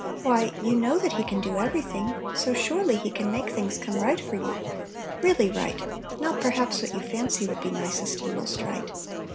Why, you know that He can do every thing; so, surely, He can make things come right for you (really right, not perhaps what you fancy would be nicest and most right).